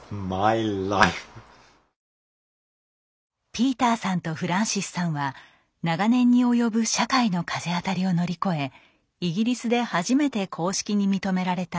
ピーターさんとフランシスさんは長年に及ぶ社会の風当たりを乗り越えイギリスで初めて公式に認められた同性のカップルです。